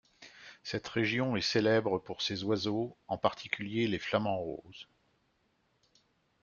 Cette région est célèbre pour ses oiseaux, en particulier les flamants roses.